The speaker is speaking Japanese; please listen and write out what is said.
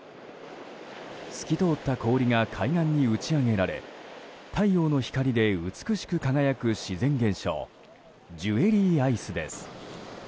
透き通った氷が海岸に打ち揚げられ太陽の光で美しく輝く自然現象ジュエリーアイスです。